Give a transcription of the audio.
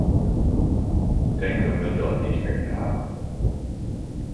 Denken we dan niet meer na?